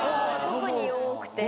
特に多くて。